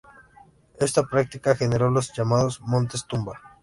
Esta práctica generó los llamados "Montes tumba".